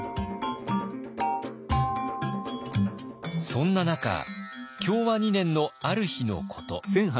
そんな中享和２年のある日のこと。